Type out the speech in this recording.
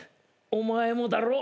お前もだろ？